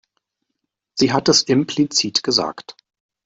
Sie hat es implizit gesagt.